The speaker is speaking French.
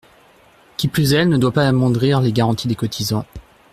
Qui plus est, elle ne doit pas amoindrir les garanties des cotisants.